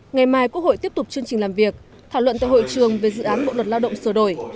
ngày mai quốc hội tiếp tục chương trình làm việc thảo luận tại hội trường về dự án bộ luật lao động sửa đổi